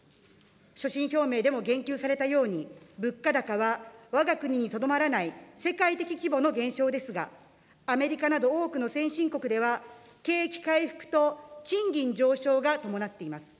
所信表明でも言及されたように、物価高は、わが国にとどまらない世界的規模の現象ですが、アメリカなど多くの先進国では、景気回復と賃金上昇が伴っています。